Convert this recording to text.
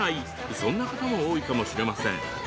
そんな方も多いかもしれません。